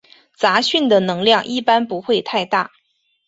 杂讯的能量一般不会太大。